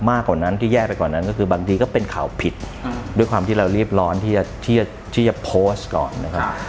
มากกว่านั้นที่แย่ไปกว่านั้นก็คือบางทีก็เป็นข่าวผิดด้วยความที่เรารีบร้อนที่จะโพสต์ก่อนนะครับ